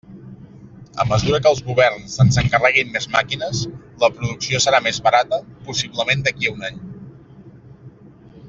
A mesura que els governs ens encarreguin més màquines, la producció serà més barata, possiblement d'aquí a un any.